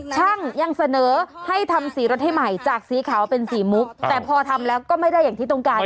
ช่างยังเสนอให้ทำสีรถให้ใหม่จากสีขาวเป็นสีมุกแต่พอทำแล้วก็ไม่ได้อย่างที่ต้องการ